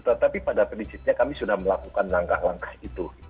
tetapi pada prinsipnya kami sudah melakukan langkah langkah itu